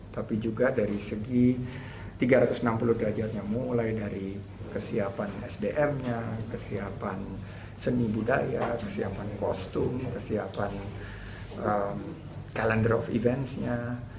tapi juga dari segi tiga ratus enam puluh derajatnya mulai dari kesiapan sdm nya kesiapan seni budaya kesiapan kostum kesiapan kalender of events nya